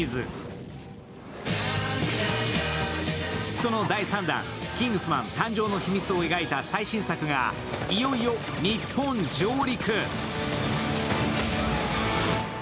その第３弾「キングスマン」誕生の秘密を描いた最新作がいよいよ日本上陸。